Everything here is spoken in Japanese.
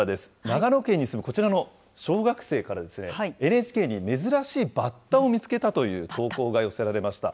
長野県に住むこちらの小学生から、ＮＨＫに珍しいバッタを見つけたという投稿が寄せられました。